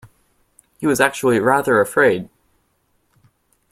He was actually rather afraid